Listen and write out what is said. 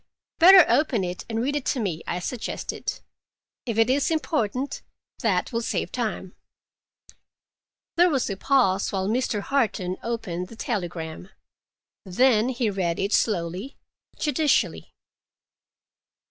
"Better open it and read it to me," I suggested. "If it is important, that will save time." There was a pause while Mr. Harton opened the telegram. Then he read it slowly, judicially.